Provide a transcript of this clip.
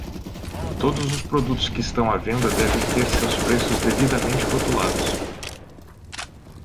Todos os produtos que estão à venda devem ter seus preços devidamente rotulados.